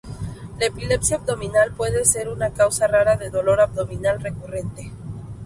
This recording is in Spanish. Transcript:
La epilepsia abdominal puede ser una causa rara de dolor abdominal recurrente.